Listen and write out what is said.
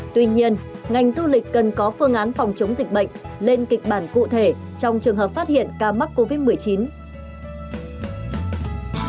tuy nhiên ngành du lịch cần có phương án phòng chống dịch bệnh lên kịch bản cụ thể trong trường hợp phát hiện ca mắc covid một mươi chín